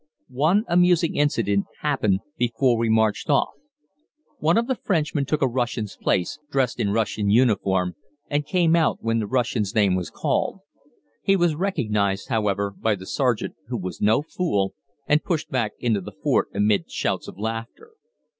One amusing incident happened before we marched off. One of the Frenchmen took a Russian's place, dressed in Russian uniform, and came out when the Russian's name was called. He was recognized, however, by the sergeant, who was no fool, and pushed back into the fort amid shouts of laughter.